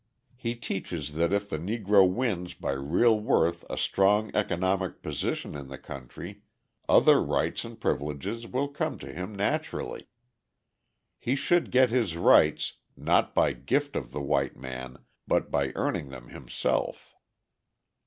He teaches that if the Negro wins by real worth a strong economic position in the country, other rights and privileges will come to him naturally. He should get his rights, not by gift of the white man, but by earning them himself.